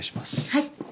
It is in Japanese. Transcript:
はい。